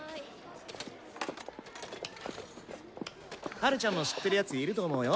ハルちゃんも知ってる奴いると思うよ。